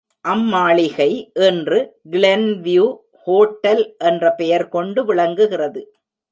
அம்மாளிகை இன்று Glenview hotel என்ற பெயர் கொண்டு விளங்குகிறது.